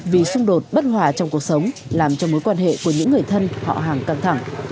vì xung đột bất hòa trong cuộc sống làm cho mối quan hệ của những người thân họ hàng căng thẳng